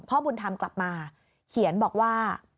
บุญธรรมกลับมาเขียนบอกว่า